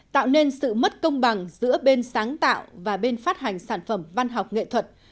tạo nên sự mất công bằng giữa bên sáng tạo và bên phát hành sản phẩm văn học nghệ thuật